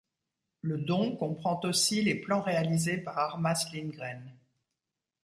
Le don comprend aussi les plans réalisés par Armas Lindgren.